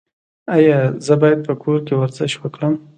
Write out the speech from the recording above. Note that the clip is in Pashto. ایا زه باید په کور کې ورزش وکړم؟